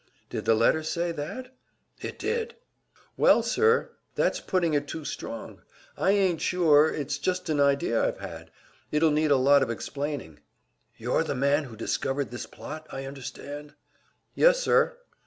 "Did the letter say that?" "It did." "Well, sir, that's putting it too strong. I ain't sure, it's just an idea I've had. It'll need a lot of explaining." "You're the man who discovered this plot, I understand?" "Yes, sir."